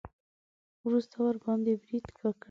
وروسته ورباندې برید وکړي.